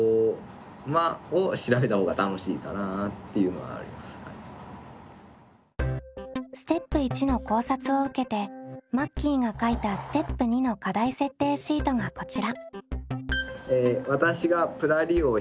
ではステップ①の考察を受けてマッキーが書いたステップ②の課題設定シートがこちら。